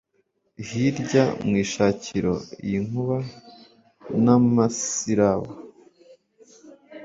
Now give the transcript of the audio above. hirya mu ishakiro lyinkuba n amasirabo